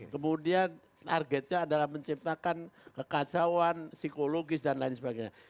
kemudian targetnya adalah menciptakan kekacauan psikologis dan lain sebagainya